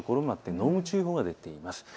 濃霧注意報も出ています。